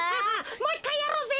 もう１かいやろうぜ！